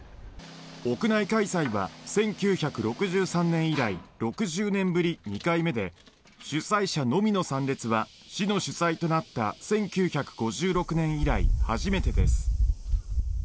屋内開催は１９６３年以来６０年ぶり２回目で主催者のみの参列は市の主催となった１９５６年以来初めてです。